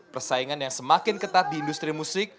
persaingan yang semakin ketat di industri musik